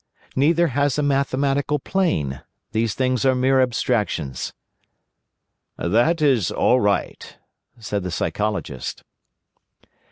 Neither has a mathematical plane. These things are mere abstractions." "That is all right," said the Psychologist.